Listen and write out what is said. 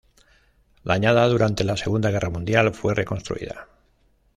Dañada durante la Segunda Guerra Mundial fue reconstruida.